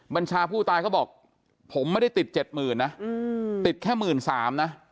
บัญชาผู้ตายเขาบอกผมไม่ได้ติดเจ็ดหมื่นนะติดแค่หมื่นสามนะ